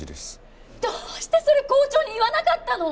どうしてそれ校長に言わなかったの！？